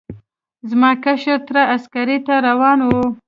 زما کشر تره عسکرۍ ته روان و.